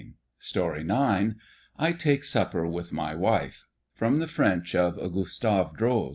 I TAKE SUPPER WITH MY WIFE. From the French of GUSTAVE DROZ.